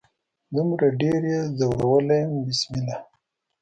دومره ډیر يې ځورولي يم بسمله